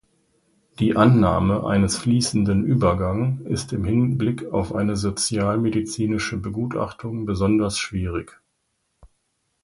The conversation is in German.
Die Annahme eines fließenden Übergang ist im Hinblick auf eine sozialmedizinische Begutachtung besonders schwierig.